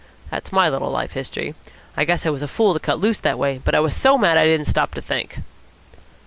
That's my little life history. I guess I was a fool to cut loose that way, but I was so mad I didn't stop to think."